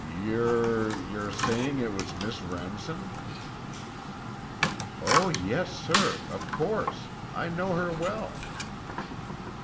"You're—you're sure it was Miss Remsen?" "Oh, yes, sir, of course. I know her well."